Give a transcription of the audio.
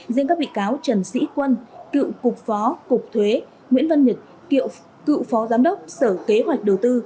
riêng các bị cáo trần sĩ quân cựu cục phó cục thuế nguyễn văn nhật cựu phó giám đốc sở kế hoạch đầu tư